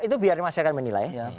itu biar masyarakat menilai